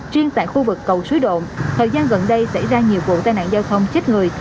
riêng tại khu vực cầu suối đồn thời gian gần đây xảy ra nhiều vụ tai nạn giao thông chết người